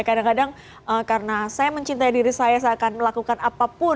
karena kadang kadang karena saya mencintai diri saya saya akan melakukan apapun